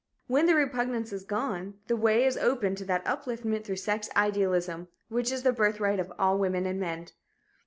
When the repugnance is gone, the way is open to that upliftment through sex idealism which is the birthright of all women and men.